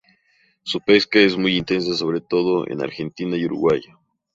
Su pesca es muy intensa sobre todo en Argentina y Uruguay.